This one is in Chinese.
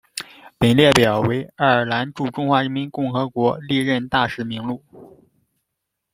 本列表为爱尔兰驻中华人民共和国历任大使名录。